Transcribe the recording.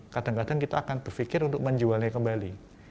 kadang kadang kita akan berpikir untuk menjualnya kembali